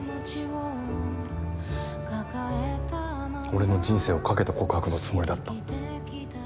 俺の人生を懸けた告白のつもりだった。